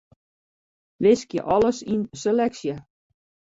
Wiskje alles yn seleksje.